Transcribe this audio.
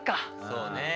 そうね。